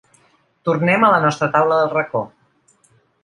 Tornem a la nostra taula del racó.